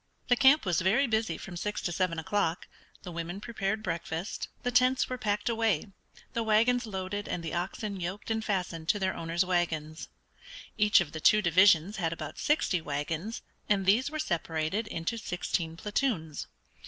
The camp was very busy from six to seven o'clock; the women prepared breakfast; the tents were packed away, the wagons loaded and the oxen yoked and fastened to their owners' wagons. Each of the two divisions had about sixty wagons, and these were separated into sixteen platoons.